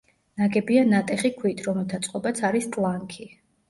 ნაგებია ნატეხი ქვით, რომელთა წყობაც არის ტლანქი.